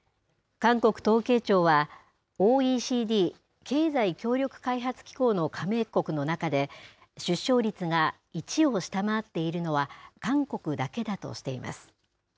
韓国統計庁は、ＯＥＣＤ・経済協力開発機構の加盟国の中で、出生率が１を下回っているのは、韓国だけだとしています。